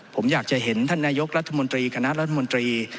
ผมอยากจะเห็นท่านนายกรัฐมนตรีคณะรัฐมนตรี